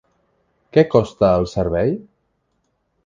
Que costa el servei?